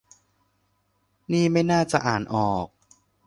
นี่ไม่น่าจะอ่านออก